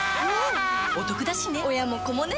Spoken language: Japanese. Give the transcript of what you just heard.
おトクだしね